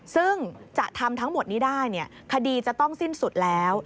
ซึ่งจะทำทั้งหมดนี้ได้คดีจะต้องสิ้นสุดแล้ว